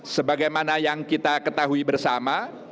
sebagaimana yang kita ketahui bersama